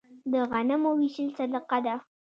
د غنمو ویشل صدقه ده.